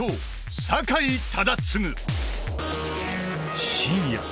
酒井忠次深夜